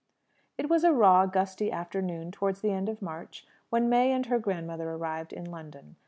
It was a raw, gusty afternoon towards the end of March when May and her grandmother arrived in London.